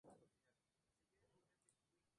Rafael Estrada Sámano.